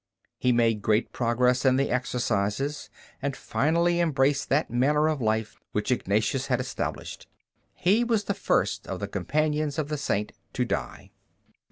He made great progress in the Exercises, and finally embraced that manner of life which Ignatius had established. He was the first of the companions of the Saint to die.